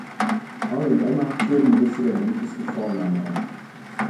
Paul und Emma führen die Liste der beliebtesten Vornamen an.